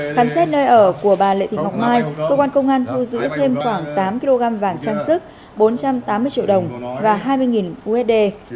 khám xét nơi ở của bà lệ thị ngọc mai cơ quan công an thu giữ thêm khoảng tám kg vàng trang sức bốn trăm tám mươi triệu đồng và hai mươi usd